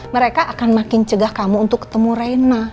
mereka akan makin cegah kamu untuk ketemu raina